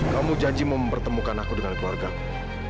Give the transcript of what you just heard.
kamu janji mau mempertemukan aku dengan keluargamu